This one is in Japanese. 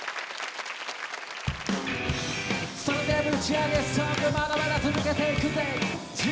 それではぶちアゲソングまだまだ続けていくぜ！